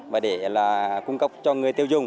và để là cung cấp cho người tiêu dùng